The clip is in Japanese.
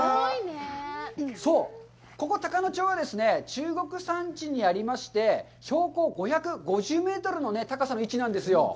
ここ高野町はですね、中国山地にありまして、標高５５０メートルの高さの位置なんですよ。